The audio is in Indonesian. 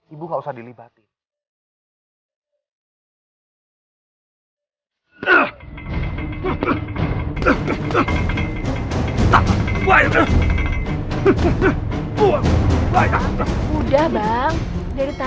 ibu gak usah dilibati